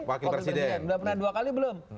wakil presiden udah pernah dua kali belum